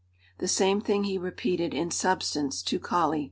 The same thing he repeated in substance to Kali.